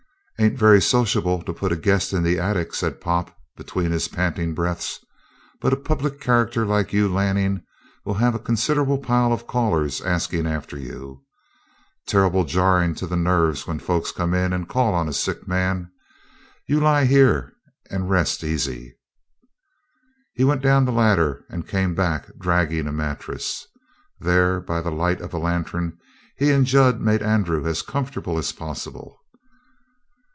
"Ain't very sociable to put a guest in the attic," said Pop, between his panting breaths. "But a public character like you, Lanning, will have a consid'able pile of callers askin' after you. Terrible jarrin' to the nerves when folks come in and call on a sick man. You lie here and rest easy." He went down the ladder and came back dragging a mattress. There, by the light of a lantern, he and Jud made Andrew as comfortable as possible.